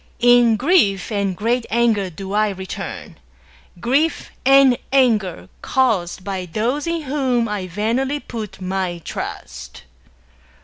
In grief and great anger do I return — grief and anger caused me by those in whom I vainly put my trust!